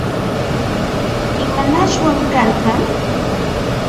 ¿Imanashwan karqan?